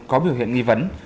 có biểu hiện nghi vấn